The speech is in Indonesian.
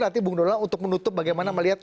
nanti bung donal untuk menutup bagaimana melihat